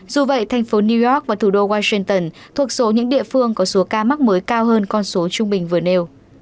dù vậy thành phố new york và thủ đô washington thuộc số những địa phương có số ca mắc mới cao hơn con số trung bình vừa nêu